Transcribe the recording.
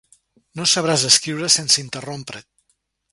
No sabràs escriure sense interrompre't.